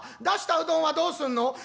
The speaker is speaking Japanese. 出したうどんはどうすんの？」。